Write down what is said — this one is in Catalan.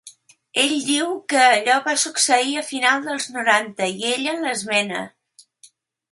Ell diu que allò va succeir a finals dels noranta i ella l'esmena.